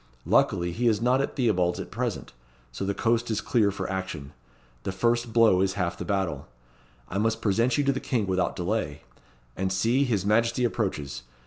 Luckily, he is not at Theobalds at present so the coast is clear for action. The first blow is half the battle. I must present you to the King without delay. And see, his Majesty approaches.